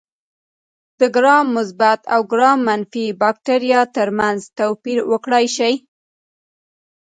د ګرام مثبت او ګرام منفي بکټریا ترمنځ توپیر وکړای شي.